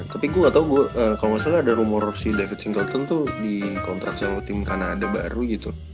tapi gue gak tau kalo masalah ada rumor si david singleton tuh dikontrasi sama tim kanada baru gitu